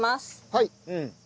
はい！